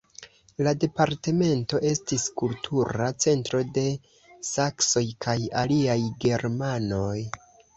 La departemento estis kultura centro de saksoj kaj aliaj germanoj.